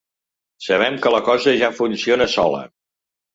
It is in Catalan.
Sabem que la cosa ja funciona sola.